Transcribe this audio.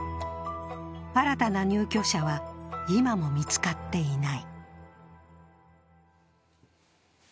新たな入居者は今も見つかっていない。